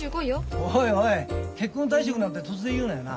おいおい結婚退職なんて突然言うなよな。